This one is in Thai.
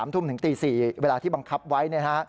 ทุ่มถึงตี๔เวลาที่บังคับไว้